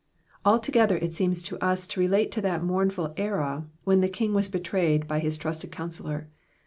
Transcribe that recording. AUo g^her U seems io us to relate to that mournful era when the King was betrayed by his trusted counsellor.